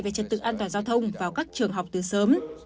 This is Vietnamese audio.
về trật tự an toàn giao thông vào các trường học từ sớm